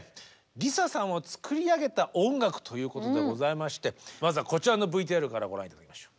「ＬｉＳＡさんを作り上げた音楽」ということでございましてまずはこちらのＶＴＲからご覧頂きましょう。